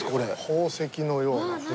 宝石のような。